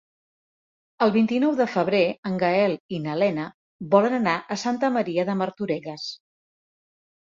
El vint-i-nou de febrer en Gaël i na Lena volen anar a Santa Maria de Martorelles.